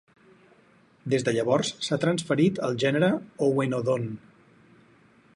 Des de llavors s'ha transferit al gènere "Owenodon".